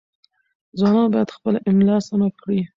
ځوانان باید خپله املاء سمه کړي.